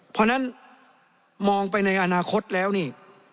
เพราะฉะนั้นมองไปในอนาคตแล้วนี่